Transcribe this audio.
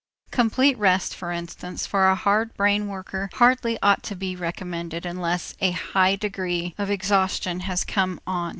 Complete rest, for instance, for a hard brain worker hardly ought to be recommended unless a high degree of exhaustion has come on.